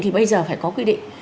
thì bây giờ phải có quy định